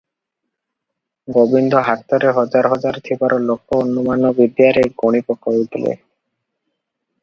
ଗୋବିନ୍ଦ ହାତରେ ହଜାର ହଜାର ଥିବାର ଲୋକ ଅନୁମାନ ବିଦ୍ୟାରେ ଗଣି ପକାଇଥିଲେ ।